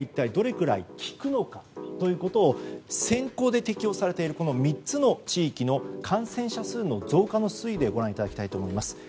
ここからはまん延防止措置が一体どれくらい効くのかということを先行で適用されている３つの地域の感染者数の増加の推移でご覧いただきたいと思います。